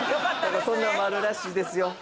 そんなんもあるらしいですよ。